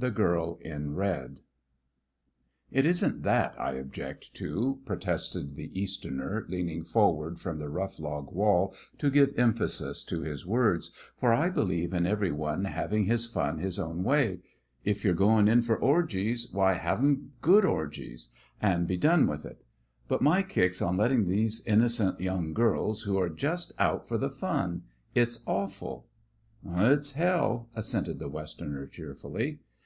VII THE GIRL IN RED "It isn't that I object to," protested the Easterner, leaning forward from the rough log wall to give emphasis to his words, "for I believe in everyone having his fun his own way. If you're going in for orgies, why, have 'em good orgies, and be done with it. But my kick's on letting these innocent young girls who are just out for the fun it's awful!" "It's hell!" assented the Westerner, cheerfully.